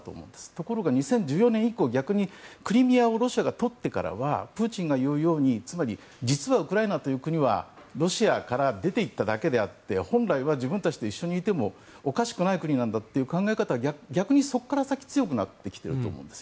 ところが２０１４年以降逆にクリミアをロシアが取ってからはプーチンが言うようにつまり実はウクライナという国はロシアから出ていっただけであって本来は自分たちと一緒にいてもおかしくない国なんだという考え方は逆にそこから先強くなってきていると思うんです。